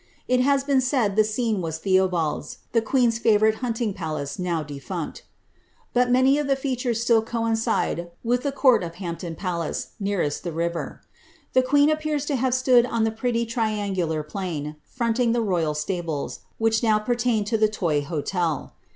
It has been said the scene was Theobalds, (the queen's fiivourite hunting palace, now defunct ;) but many of the features still coincide with the court of Hampton Palace, nearest the river. The queen appears to have stood on the pretty triangular |^n, fronting the royal stables, which now appertain to the Toy Hotel.